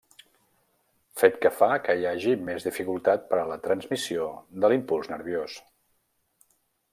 Fet que fa que hi hagi més dificultat per a la transmissió de l'impuls nerviós.